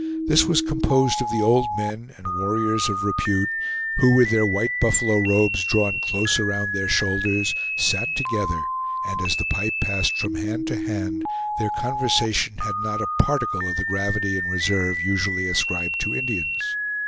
This was composed of the old men and warriors of repute, who with their white buffalo robes drawn close around their shoulders, sat together, and as the pipe passed from hand to hand, their conversation had not a particle of the gravity and reserve usually ascribed to Indians.